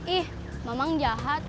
ih memang jahat